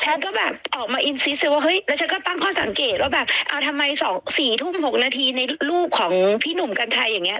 ฉันก็แบบออกมาอินซีสิว่าเฮ้ยแล้วฉันก็ตั้งข้อสังเกตว่าแบบเอาทำไม๒๔ทุ่ม๖นาทีในรูปของพี่หนุ่มกัญชัยอย่างนี้